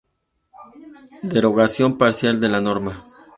Derogación parcial de la norma.